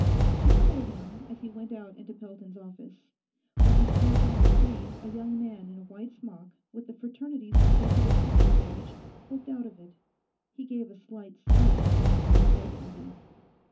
She followed him as he went out into Pelton's office. When he snapped on the screen, a young man in a white smock, with the Fraternities Executive Section badge, looked out of it. He gave a slight start when he saw Prestonby.